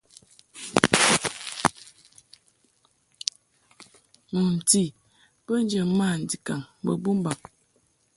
Wumti bə njə mandikaŋ mbo bumbaŋ.